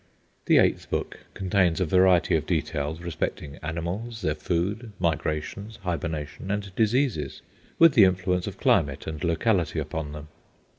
The eighth book contains a variety of details respecting animals, their food, migrations, hibernation, and diseases; with the influence of climate and locality upon them.